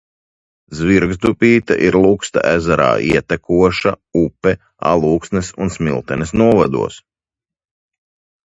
Zvirgzdupīte ir Luksta ezerā ietekoša upe Alūksnes un Smiltenes novados.